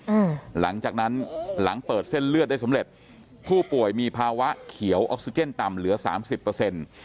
อืมหลังจากนั้นหลังเปิดเส้นเลือดได้สำเร็จผู้ป่วยมีภาวะเขียวออกซิเจนต่ำเหลือสามสิบเปอร์เซ็นต์